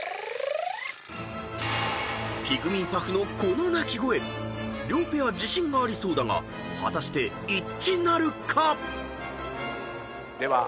［ピグミーパフのこの鳴き声両ペア自信がありそうだが果たして一致なるか⁉］では